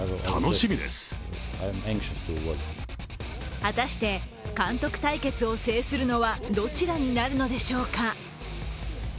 果たして監督対決を制するのはどちらになるのでしょうか。